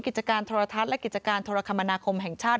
กิจการโทรทัศน์และกิจการโทรคมนาคมแห่งชาติ